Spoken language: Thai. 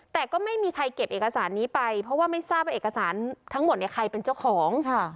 แต่ก็ไม่มีใครเก็บเอกสารนี้ไปเพราะว่าไม่ทราบว่าเอกสารทั้งหมดเนี่ยใครเป็นเจ้าของ